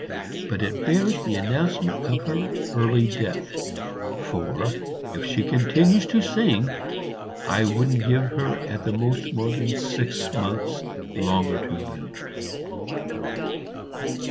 But it bears the announcement of her early death; for, if she continues to sing, I wouldn't give her at the most more than six months longer to live."